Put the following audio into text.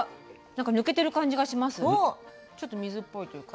ちょっと水っぽいというか。